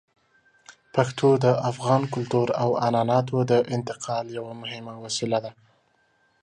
پښتو د افغان کلتور او عنعناتو د انتقال یوه مهمه وسیله ده.